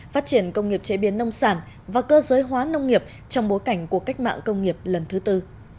phát triển công nghiệp chế biến nông sản và cơ giới hóa nông nghiệp trong bối cảnh của cách mạng công nghiệp lần thứ tư